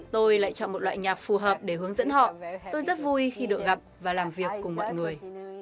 tôi lại chọn một loại nhạc phù hợp để hướng dẫn họ tôi rất vui khi được gặp và làm việc cùng mọi người